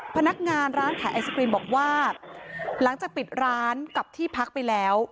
พนักงานร้านขายไอศกรีมบอกว่าหลังจากปิดร้านกับที่พักไปแล้ว